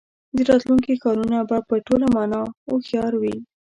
د راتلونکي ښارونه به په ټوله مانا هوښیار وي.